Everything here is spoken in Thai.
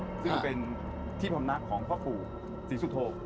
ซึ่งเป็นที่พรรมนักของพระผู้ศรีสุธโภค